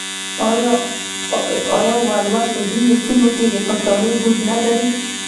آیا ولور په ځینو سیمو کې د پښتنو دود نه دی؟